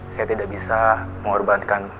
saya tidak bisa mengorbankan